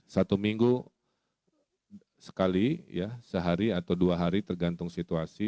satu minggu sekali sehari atau dua hari tergantung situasi